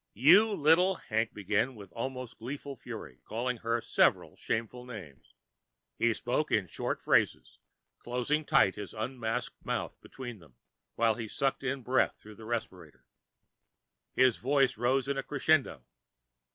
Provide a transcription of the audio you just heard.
"You little " Hank began with an almost gleeful fury, calling her several shameful names. He spoke in short phrases, closing tight his unmasked mouth between them while he sucked in breath through the respirator. His voice rose in a crescendo.